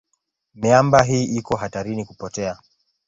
Miamba hii iko hatarini kupotea.